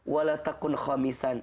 wala takun khamisan